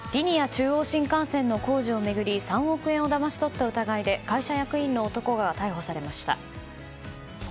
中央新幹線の工事を巡り３億円をだまし取った疑いで会社役員の男が逮捕されました。